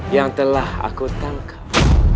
yang telah aku tangkap